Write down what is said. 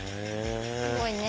すごいね。